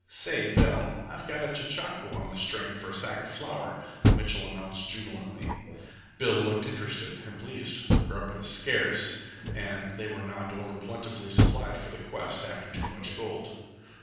"Say, Bill, I've got a chechaquo on the string for a sack of flour," Mitchell announced jubilantly. Bill looked interested and pleased. Grub as scarce, and they were not over plentifully supplied for the quest after Too Much Gold.